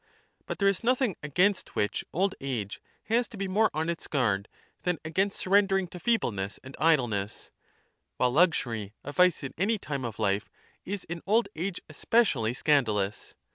But there is nothing against which old age has to be more on its guard than against surrender ing to feebleness and idleness, while luxury, a vice in any time of Ufe, is in old age especially scandalous.